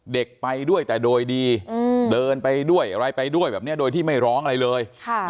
เด็กไปด้วยแต่โดยดีเดินไปด้วยอะไรไปด้วยแบบนี้โดยที่ไม่ร้องอะไรเลย